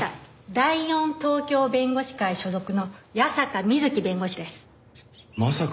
第四東京弁護士会所属の矢坂美月弁護士です。